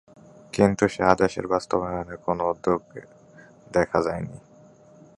কিন্তু সে আদেশের বাস্তবায়নে কোনো উদ্যোগ দেখা যায়নি।